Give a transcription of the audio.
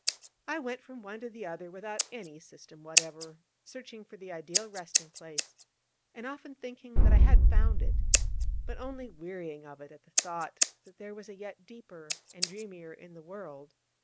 I went from one to the other without any system whatever, searching for the ideal resting place, and often thinking that I had found it: but only wearying of it at the thought that there was a yet deeper and dreamier in the world.